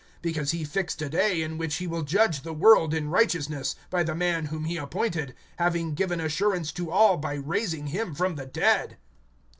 (31)Because he fixed a day, in which he will judge the world in righteousness, by the man whom he appointed, having given assurance to all by raising him from the dead.